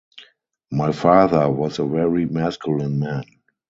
My father was a very masculine man.